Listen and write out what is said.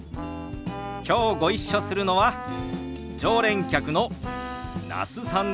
きょうご一緒するのは常連客の那須さんですよ。